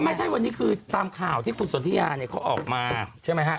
ไม่ใช่วันนี้คือตามข่าวที่คุณสนทิยาเนี่ยเขาออกมาใช่ไหมฮะ